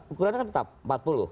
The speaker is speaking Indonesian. ukurannya kan tetap empat puluh